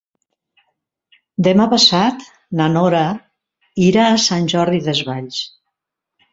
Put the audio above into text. Demà passat na Nora irà a Sant Jordi Desvalls.